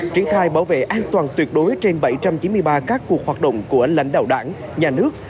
triển khai bảo vệ an toàn tuyệt đối trên bảy trăm chín mươi ba các cuộc hoạt động của lãnh đạo đảng nhà nước